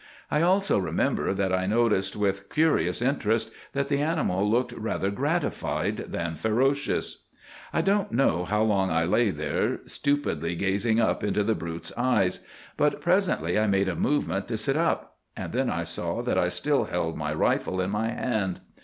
I also remember that I noticed with curious interest that the animal looked rather gratified than ferocious. "'I don't know how long I lay there, stupidly gazing up into the brute's eyes; but presently I made a movement to sit up, and then I saw that I still held my rifle in my hand.